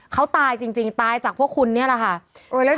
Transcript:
เขาตายจริงตายจากพวกคุณนี่แหละค่ะ